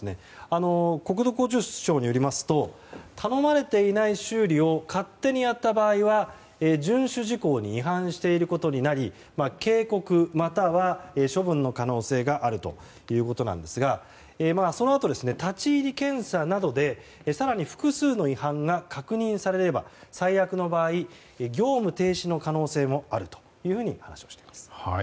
国土交通省によりますと頼まれていない修理を勝手にやった場合は、順守事項に違反していることになり警告、または処分の可能性があるということですがそのあと、立ち入り検査などで更に複数の違反が確認されれば、最悪の場合業務停止の可能性もあると話をしています。